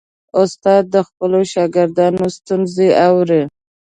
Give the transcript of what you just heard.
استاد د خپلو شاګردانو ستونزې اوري.